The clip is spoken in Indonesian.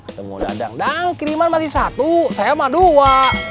semua dadang dadang kiriman masih satu saya sama dua